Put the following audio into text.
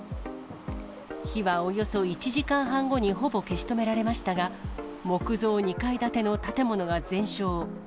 火はおよそ１時間半後にほぼ消し止められましたが、木造２階建ての建物が全焼。